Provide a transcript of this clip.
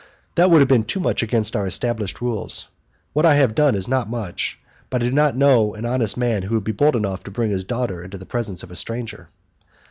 "That would have been too much against our established rules. What I have done is not much, but I do not know an honest man who would be bold enough to bring his daughter into the presence of a stranger."